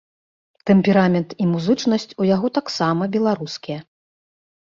Тэмперамент і музычнасць у яго таксама беларускія.